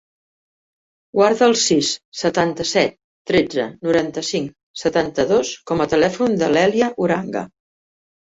Guarda el sis, setanta-set, tretze, noranta-cinc, setanta-dos com a telèfon de l'Èlia Uranga.